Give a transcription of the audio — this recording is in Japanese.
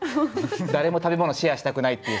誰も食べ物シェアしたくないっていう。